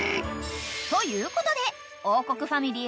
［ということで『王国』ファミリー発案